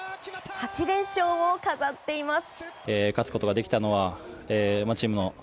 ８連勝を飾っています。